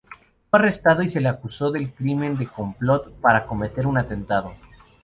Fue arrestado y se le acusó del crimen de complot para cometer un atentado.